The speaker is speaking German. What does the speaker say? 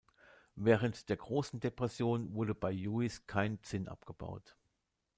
Während der großen Depression wurde bei Uis kein Zinn abgebaut.